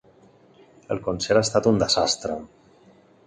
El concert ha estat un desastre.